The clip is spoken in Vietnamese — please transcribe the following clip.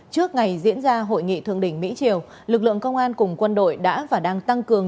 trước ngày diễn ra hội nghị thượng đỉnh mỹ triều lực lượng công an cùng quân đội đã và đang tăng cường